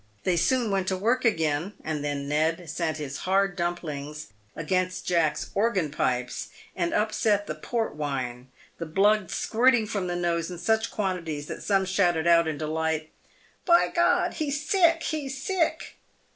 They soon went to work again, and then Ned sent his "hard dumplings" against Jack's " organ pipes," and upset the "port wine," the blood squirting from the nose in such quantities that some shouted out in delight, " By God, he's sick ! he's sick